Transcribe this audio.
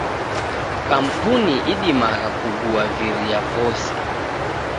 Kampuni idimagha kugua viria vose.